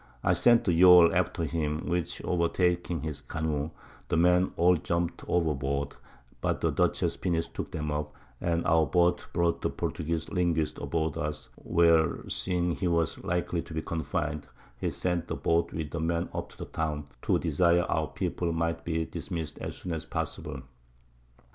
I sent the Yawl after him, which overtaking his Canoe, the Men all jumpt over board, but the Dutchess's Pinnace took 'em up, and our Boat brought the Portugueze Linguist aboard us, where seeing he was likely to be confin'd, he sent the Boat with the Men up to the Town, to desire our People might be dismiss'd as soon as possible.